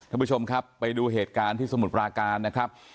ท่านผู้ชมครับไปดูเหตุการณ์ที่สมุทรปราการนะครับ